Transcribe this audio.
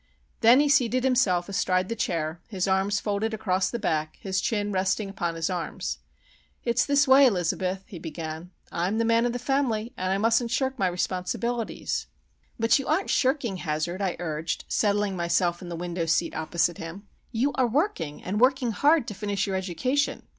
Then he seated himself astride the chair, his arms folded across the back, his chin resting upon his arms. "It's this way, Elizabeth," he began. "I'm the man of the family, and I mustn't shirk my responsibilities." "But you aren't shirking, Hazard," I urged, settling myself in the window seat opposite him. "You are working, and working hard, to finish your education.